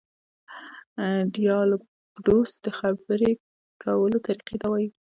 ډیالکټوس د خبري کوو طریقې ته وایي.